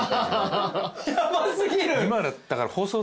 ヤバ過ぎる。